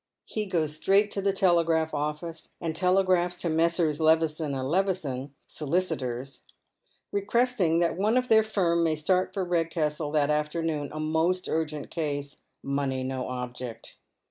He goes straight to the telegraph office, and telegraphs to Messrs. Levison and Levison, solicitors, requesting that one of their finn may start for Eedcastle that afternoon, a most urgent case, money no object.